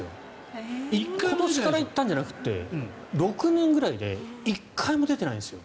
今年から行ったんじゃなくて６年ぐらいで１回も出てないんですよ。